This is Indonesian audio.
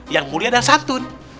yang mulia dan santun